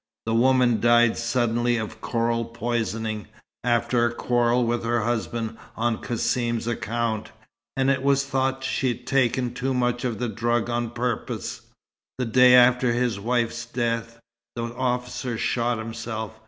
The woman died suddenly of chloral poisoning, after a quarrel with her husband on Cassim's account, and it was thought she'd taken too much of the drug on purpose. The day after his wife's death, the officer shot himself.